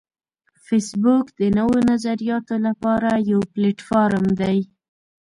فېسبوک د نوو نظریاتو لپاره یو پلیټ فارم دی